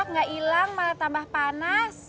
nggak hilang malah tambah panas